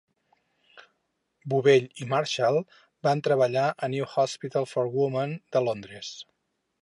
Bovell i Marshall van treballar al New Hospital for Women de Londres.